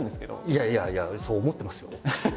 いやいやいやそう思ってますよ。